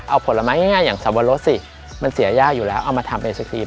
เอาผลไม้ง่ายอย่างสับปะรดสิมันเสียยากอยู่แล้วเอามาทำไอศครีม